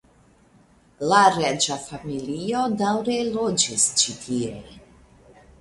La reĝa familio daŭre loĝis ĉi tie.